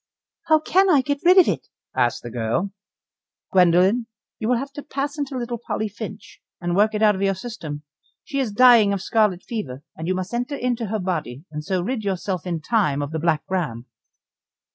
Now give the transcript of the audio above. "How can I get rid of it?" asked the girl. "Gwendoline, you will have to pass into little Polly Finch, and work it out of your system. She is dying of scarlet fever, and you must enter into her body, and so rid yourself in time of the Black Ram."